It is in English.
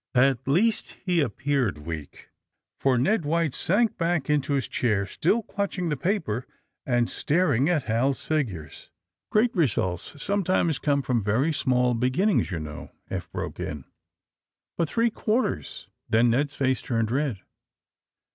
'' At least he appeared weak, for Ned White sank back into his chair, still clutching the paper and staring at Hal's figures. *^ Great results sometimes come from verj small beginnings, you know," Eph broke in. AND THE SMUGGLERS 161 ''But three quarters ?> Then Ned's face turned red.